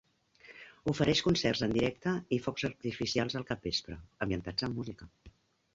Ofereix concerts en directe i focs artificials al capvespre, ambientats amb música.